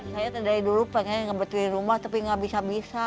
saya dari dulu pengen ngebetulin rumah tapi nggak bisa bisa